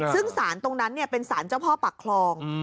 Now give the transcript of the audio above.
ซึ่งสารตรงนั้นเป็นสารเจ้าพ่อปากคลอง